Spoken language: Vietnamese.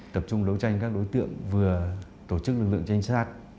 tập trung đấu tranh với các đối tượng vừa tổ chức lực lượng tranh sát